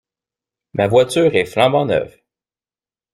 Ma voiture est flambant neuve.